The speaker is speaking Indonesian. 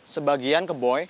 sebagian ke boy